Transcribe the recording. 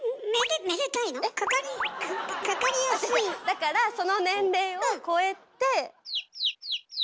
だからその年齢を超えて。